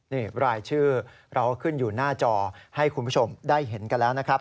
นี่รายชื่อเราก็ขึ้นอยู่หน้าจอให้คุณผู้ชมได้เห็นกันแล้วนะครับ